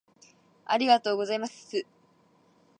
ありがとうございますつ